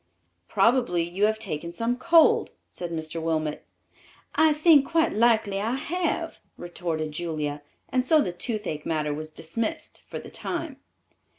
"Probably you have taken some cold," said Mr. Wilmot. "I think quite likely I have," retorted Julia, and so the toothache matter was dismissed for the time.